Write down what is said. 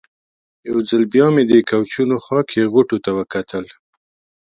یو ځل بیا مې د کوچونو خوا کې غوټو ته وکتل.